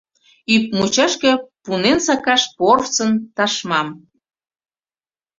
Ӱп мучашке пунен сакаш порсын ташмам.